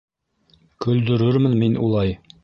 Көлдөрөрмөн мин улай!